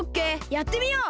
やってみよう！